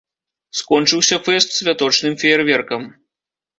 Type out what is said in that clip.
Скончыўся фэст святочным феерверкам.